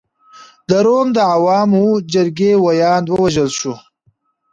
د روم د عوامو جرګې ویاند ووژل شو.